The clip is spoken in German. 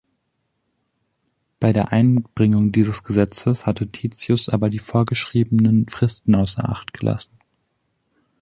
Bei der Einbringung dieses Gesetzes hatte Titius aber die vorgeschriebenen Fristen außer Acht gelassen.